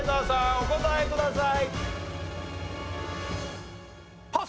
お答えください。